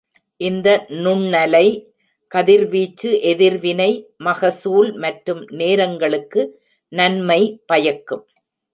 இந்த நுண்ணலை கதிர்வீச்சு எதிர்வினை மகசூல் மற்றும் நேரங்களுக்கு நன்மை பயக்கும்.